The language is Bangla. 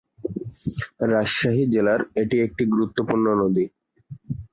রাজশাহী জেলার এটি একটি গুরুত্বপূর্ণ নদী।